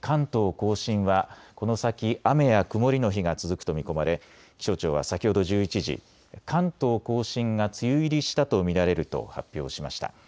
甲信はこの先、雨や曇りの日が続くと見込まれ、気象庁は先ほど１１時、関東甲信が梅雨入りしたと見られると発表しました。